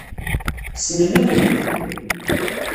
Ssnen abrid?